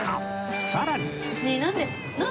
さらに